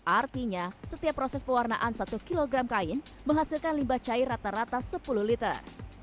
artinya setiap proses pewarnaan satu kg kain menghasilkan limbah cair rata rata sepuluh liter